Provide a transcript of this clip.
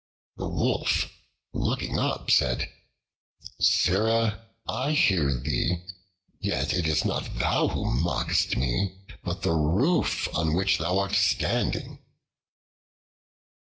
The Wolf, looking up, said, "Sirrah! I hear thee: yet it is not thou who mockest me, but the roof on which thou art standing."